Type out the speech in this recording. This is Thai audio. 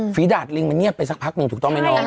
ดาดลิงมันเงียบไปสักพักหนึ่งถูกต้องไหมน้อง